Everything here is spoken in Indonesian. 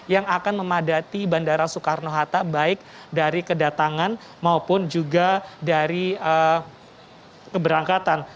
yang akan memadati bandara soekarno hatta baik dari kedatangan maupun juga dari keberangkatan